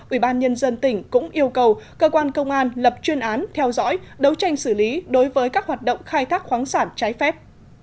ủy ban nhân dân tỉnh cũng yêu cầu cơ quan công an lập chuyên án theo dõi đấu tranh xử lý đối với các hoạt động khai thác khoáng sản trái phép